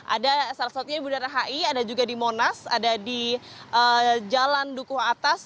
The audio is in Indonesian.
ada salah satunya di bundaran hi ada juga di monas ada di jalan dukuh atas